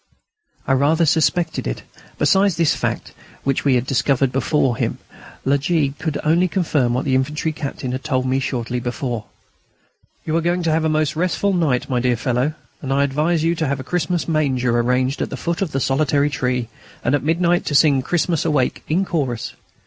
I rather suspected it. Besides this fact, which we had discovered before him, La G. could only confirm what the infantry captain had told me shortly before: "You are going to have a most restful night, my dear fellow; and I advise you to have a Christmas manger arranged at the foot of the 'solitary tree,' and at midnight to sing 'Christians, awake,' in chorus....